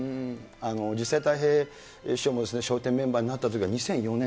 実際、たい平師匠も笑点メンバーになったときは２００４年。